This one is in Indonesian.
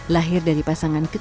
lahir dari pasangan ketut ketut